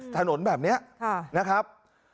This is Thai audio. ถนนแบบนี้นะครับ